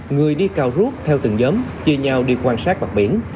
người đi cao rút theo từng giấm chia nhau đi quan sát bậc biển